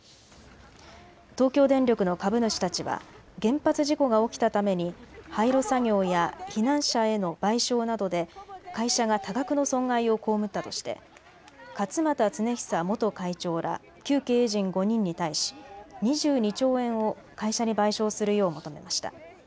東京電力の株主たちは原発事故が起きたために廃炉作業や避難者への賠償などで会社が多額の損害を被ったとして勝俣恒久元会長ら旧経営陣５人に対し２２兆円を会社に賠償するよう求めました。